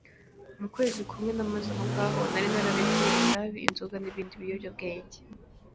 Mu kwezi kumwe namaze ahongaho, nari nararetse itabi, inzoga n’ibindi biyobyabwenge.